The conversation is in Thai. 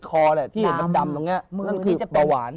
คอแหละที่เห็นดำตรงเนี้ย